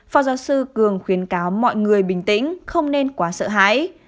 phó giáo sư cường khuyến cáo mọi người bình tĩnh không nên quá sợ hãi